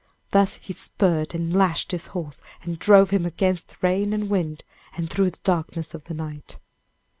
Thus he spurred and lashed his horse, and drove him against rain and wind, and through the darkness of the night.